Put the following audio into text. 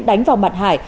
đánh vào mặt hải